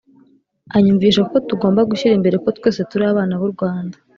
Anyumvisha ko tugomba gushyira imbere ko twese turi abana b'u Rwanda